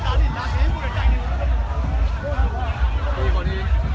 มันอาจจะไม่เอาเห็น